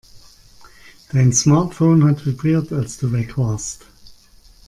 Dein Smartphone hat vibriert, als du weg warst.